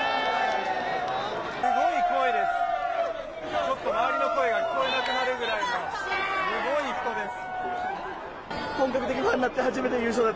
すごい声です、ちょっと周りの声が聞こえなくなるぐらいの、すごい人です。